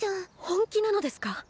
本気なのですか？